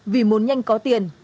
vì muốn nhanh có tiền